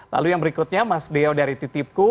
lalu yang berikutnya mas deo dari titipku